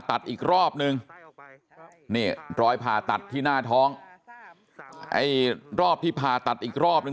อีกรอบนึงนี่รอยผ่าตัดที่หน้าท้องไอ้รอบที่ผ่าตัดอีกรอบนึง